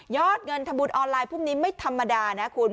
เงินทำบุญออนไลน์พรุ่งนี้ไม่ธรรมดานะคุณ